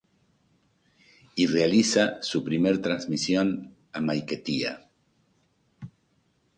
Y realiza su primer transmisión a Maiquetía.